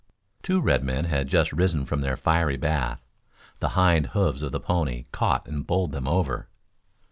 Two red men had just risen from their fiery bath. The hind hoofs of the pony caught and bowled them over.